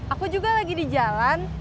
aku juga lagi di jalan